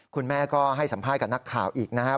คุณแม่ก็ให้สัมภาษณ์กับนักข่าวอีกนะครับ